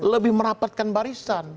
lebih merapatkan barisan